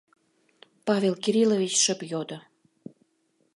— Павел Кириллович шып йодо.